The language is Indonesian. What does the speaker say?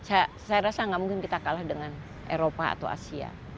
saya rasa nggak mungkin kita kalah dengan eropa atau asia